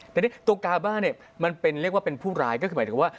ตัวกาบ่ามันเป็นเรียกว่าเป็นผู้รายก็หมายถึงว่า